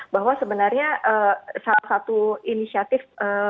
bahwa sebenarnya salah satu inisiatif